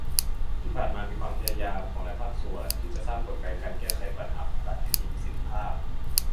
ที่ผ่านมามีความพยายามของหลายภาคส่วน ที่จะสร้างกลไกการแก้ปัญหาของรัฐให้มีประสิทธิภาพ